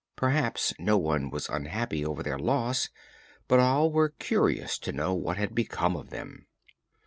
Perhaps no one was unhappy over their loss, but all were curious to know what had become of them.